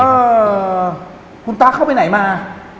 เอ่อคุณตาเข้าไปไหนมา